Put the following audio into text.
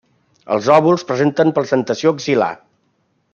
Els òvuls presenten placentació axil·lar.